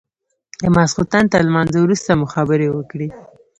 د ماخستن تر لمانځه وروسته مو خبرې وكړې.